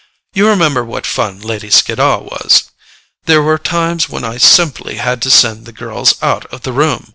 You remember what fun Lady Skiddaw was? There were times when I simply had to send the girls out of the room.